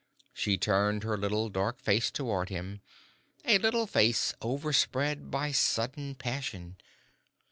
She turned her little dark face toward him, a little face overspread by sudden passion.